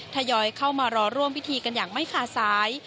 ทยอยเข้ามารอร่วมพิธีกันอย่างไม่ขาดสาย